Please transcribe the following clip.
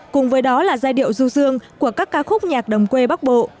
cùng với đó là giai điệu ru rương của các ca khúc nhạc đồng quê bắc bộ